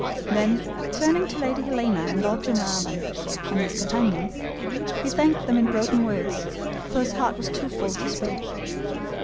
Then, turning to Lady Helena and Lord Glenarvan, and his companions, he thanked them in broken words, for his heart was too full to speak.